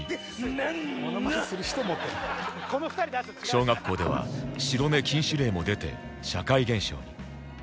小学校では白目禁止令も出て社会現象に